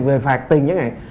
về phạt tiền chẳng hạn